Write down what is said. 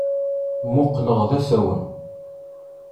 Mmuqqleɣ d asawen.